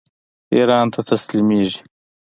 ایران ته تسلیمیږي.